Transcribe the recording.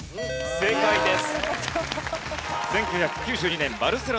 正解です。